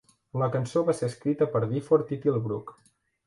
La cançó va ser escrita per Difford i Tilbrook.